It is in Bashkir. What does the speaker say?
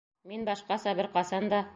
Мин башҡаса... бер ҡасан да!..